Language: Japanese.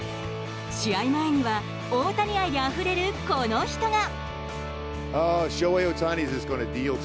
試合前には大谷愛であふれる、この人が。